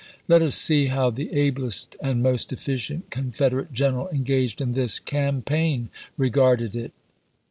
Let us see how the ablest and most efficient Confederate general engaged in this campaign regarded it.